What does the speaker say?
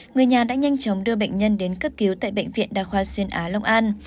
người nhà đã nhanh chóng đưa bệnh nhân đến cấp cứu tại bệnh viện đa khoa xuyên á long an